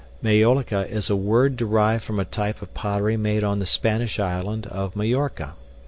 Maiolica is a word derived from a type of pottery made on the Spanish island of Mallorca.